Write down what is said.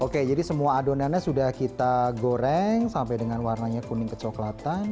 oke jadi semua adonannya sudah kita goreng sampai dengan warnanya kuning kecoklatan